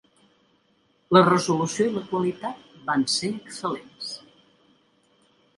La resolució i la qualitat van ser excel·lents.